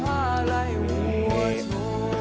มหาลัยหัวโชว์